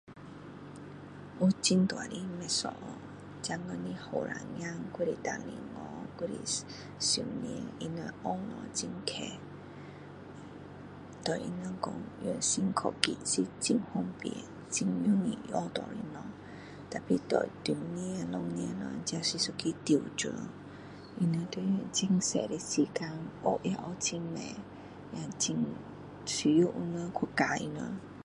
有很大的不一样现在的年轻人还是单身佬还是少年学东西很快对他们说用新科技是很方便很容易学到的东西 tapi 对中年这是一个挑战他们要用很多的时间去学也很需要有人去教他们